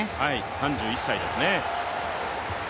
３１歳ですね。